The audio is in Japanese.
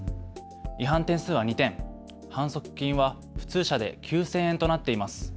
違反点数は２点、反則金は普通車で９０００円となっています。